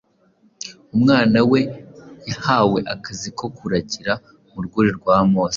umwana we, yahawe akazi ko kuragira mu rwuri rwa Amos